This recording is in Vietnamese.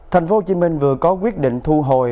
tp hcm vừa có quyết định thu hồi